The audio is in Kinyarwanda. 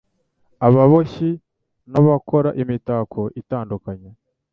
ababoshyi n'abakora imitako itandukanye.